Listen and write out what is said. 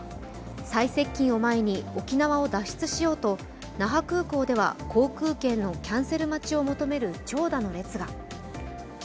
再接近を前に沖縄を脱出しようと那覇空港では航空券のキャンセル待ちを求める長蛇の列が。